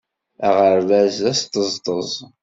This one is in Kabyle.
Aɣerbaz d asṭeẓṭeẓ.